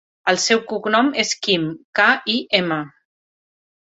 El seu cognom és Kim: ca, i, ema.